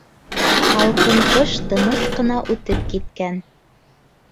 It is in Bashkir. Һалҡын ҡыш тыныс ҡына үтеп киткән.